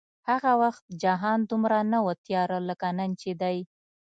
هغه وخت جهان دومره نه و تیاره لکه نن چې دی